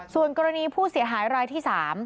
ส่วนกรณีผู้เสียหายรายที่๓